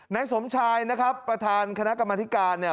นายสมชายนะครับประธานคณะกรรมธิการเนี่ย